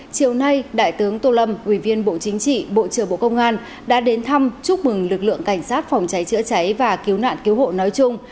chiều nay đại tướng tô lâm ủy viên bộ chính trị bộ trưởng bộ công an đã đến thăm chúc mừng lực lượng cảnh sát phòng cháy chữa cháy và cứu nạn cứu hộ nói chung